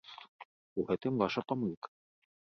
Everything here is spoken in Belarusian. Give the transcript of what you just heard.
У гэтым ваша памылка.